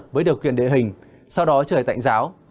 với điều kiện địa hình sau đó trời tạnh giáo